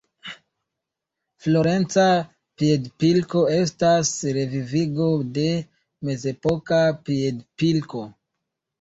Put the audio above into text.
Florenca piedpilko estas revivigo de mezepoka piedpilko.